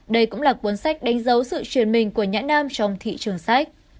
đây cũng là cuốn sách đánh dấu sự truyền mình của nhãn nam trong thị trường sách